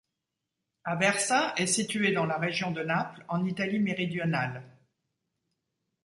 Aversa est située dans la région de Naples en Italie méridionale.